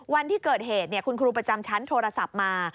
วันที่เกิดเหตุคุณครูประจำชั้นโทรศัพท์มา